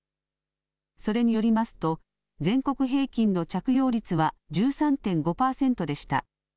それによりますと全国平均の着用率は１３．５％でした。